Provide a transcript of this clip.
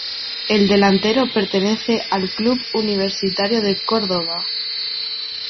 El delantero pertenece al club Universitario de Córdoba.